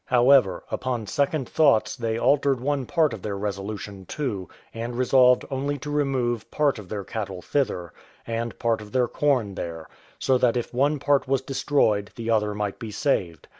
However, upon second thoughts they altered one part of their resolution too, and resolved only to remove part of their cattle thither, and part of their corn there; so that if one part was destroyed the other might be saved.